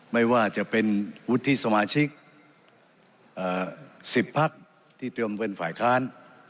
ไม่ว่าจะเป็นวุฒิสมาชิก๑๐พักที่เตรียมเป็นฝ่ายค้าน